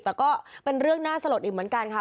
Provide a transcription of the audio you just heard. แต่ก็เป็นเรื่องน่าสลดอีกเหมือนกันค่ะ